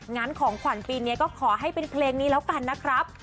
งั้นของขวัญปีนี้ก็ขอให้เป็นเพลงนี้แล้วกันนะครับ